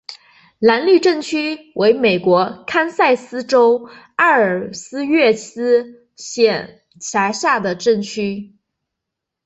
兰利镇区为美国堪萨斯州埃尔斯沃思县辖下的镇区。